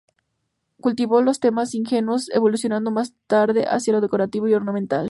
Cultivó los temas ingenuos, evolucionando más tarde hacia lo decorativo y ornamental.